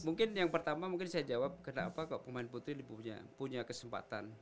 mungkin yang pertama mungkin saya jawab kenapa kok pemain putri lebih punya kesempatan